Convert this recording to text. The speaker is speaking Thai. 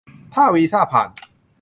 ถ้าวีซ่าผ่าน